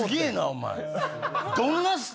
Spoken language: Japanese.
お前。